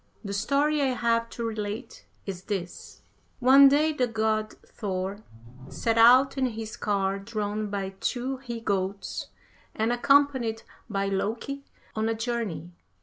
The story I have to relate is this: 46. "One day the God Thor set out in his car drawn by two he goats, and accompanied by Loki, on a journey.